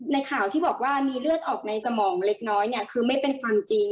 ในข่าวที่บอกว่ามีเลือดออกในสมองเล็กน้อยเนี่ยคือไม่เป็นความจริง